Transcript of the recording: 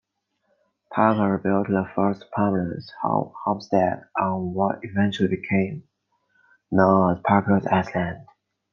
Parker built the first permanent homestead on what eventually became known as Parker's Island.